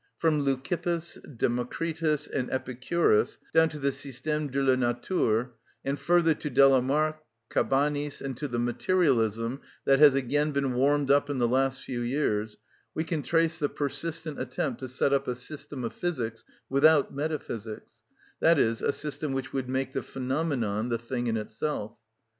From Leucippus, Democritus, and Epicurus down to the Système de la Nature, and further, to Delamark, Cabanis, and to the materialism that has again been warmed up in the last few years, we can trace the persistent attempt to set up a system of physics without metaphysics, that is, a system which would make the phenomenon the thing in itself.